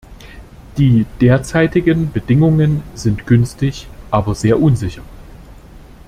Die derzeitigen Bedingungen sind günstig, aber sehr unsicher.